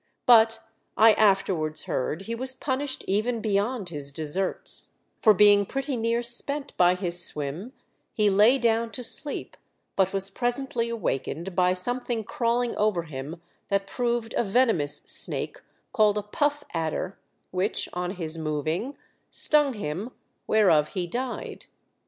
But I afterwards heard he was punished even beyond his deserts ; for being pretty near spent by his swim, he lay down :o sleep, but was presently awakened by something crawling over him that proved a venomous snake called a puff adder, which, on his moving, stung him, whereof he died.